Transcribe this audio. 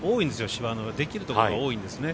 芝のできるところが多いんですね。